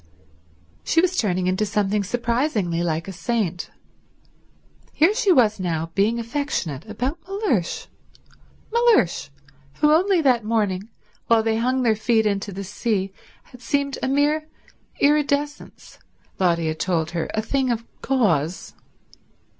She was turning into something surprisingly like a saint. Here she was now being affectionate about Mellersh—Mellersh, who only that morning, while they hung their feet into the sea, had seemed a mere iridescence, Lotty had told her, a thing of gauze.